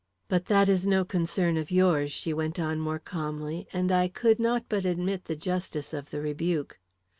"But that is no concern of yours," she went on more calmly, and I could not but admit the justice of the rebuke.